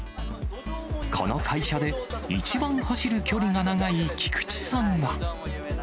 この会社で一番走る距離が長い菊池さんは。